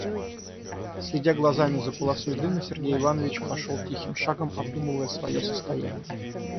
Следя глазами за полосой дыма, Сергей Иванович пошел тихим шагом, обдумывая свое состояние.